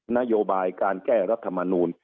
นโยบายการแก้รัฐมนูล